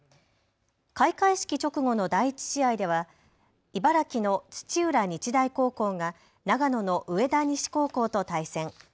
開会式直後の第１試合では茨城の土浦日大高校が長野の上田西高校と対戦。